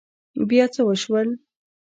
بيا څه وشول؟